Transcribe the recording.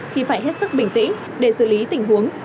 thì phải hết sức bình tĩnh để xử lý tình huống